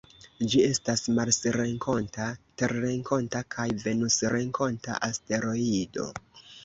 Ĝi estas marsrenkonta, terrenkonta kaj venusrenkonta asteroido.